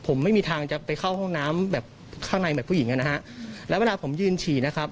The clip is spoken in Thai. ผมไม่มีทางจะไปเข้าห้องน้ำแบบข้างในแบบผู้หญิงอ่ะนะฮะแล้วเวลาผมยืนฉี่นะครับ